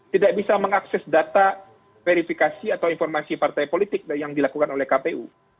tidak bisa mengakses data verifikasi atau informasi partai politik yang dilakukan oleh kpu